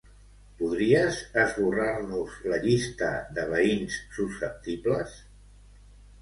Podries esborrar-nos la llista de veïns susceptibles?